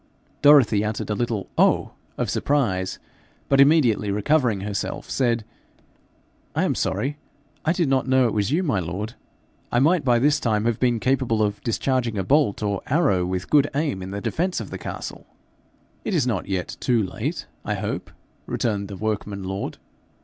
Dorothy uttered a little 'Oh!' of surprise, but immediately recovering herself, said, 'I am sorry I did not know it was you, my lord. I might by this time have been capable of discharging bolt or arrow with good aim in defence of the castle.' 'It is not yet too late, I hope,' returned the workman lord.